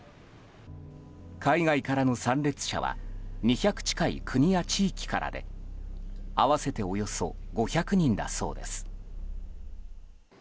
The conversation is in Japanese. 海外からの参列者は２００近い国や地域からで合わせておよそ５００人だそうです。